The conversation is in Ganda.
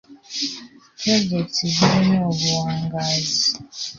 Puloojekiti zirina obuwangaazi.